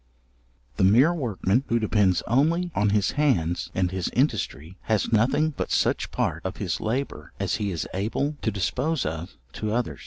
The mere workman, who depends only on his hands and his industry, has nothing but such part of his labour as he is able to dispose of to others.